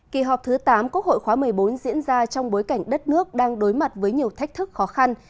kỳ họp thứ tám quốc hội khóa một mươi bốn diễn ra trong bối cảnh đất nước đang đối mặt với nhiều thách thức khó khăn